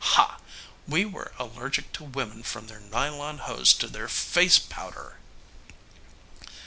Ha! We were allergic to women from their nylon hose to their face powder.